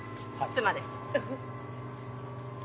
妻です。